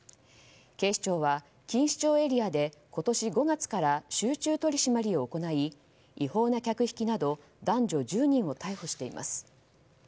警視庁は錦糸町エリアで今年５月から集中取り締まりを行い違法な客引きなど、男女１０人を逮捕しています。